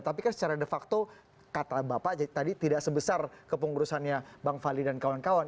tapi kan secara de facto kata bapak tadi tidak sebesar kepengurusannya bang fadli dan kawan kawan